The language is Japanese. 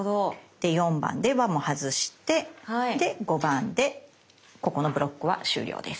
で４番で輪も外してで５番でここのブロックは終了です。